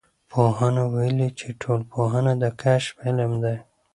پوهانو ویلي چې ټولنپوهنه د کشف علم دی.